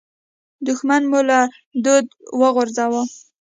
دوښمن مو له دوده وغورځاوو.